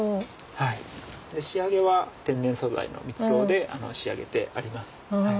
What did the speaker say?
仕上げは天然素材の蜜ろうで仕上げてあります。